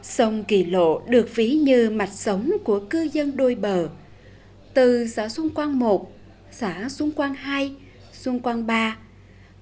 sông kỳ lộ được ví như mạch sống của cư dân đôi bờ từ xã xuân quang i xã xuân quang ii xuân quang iii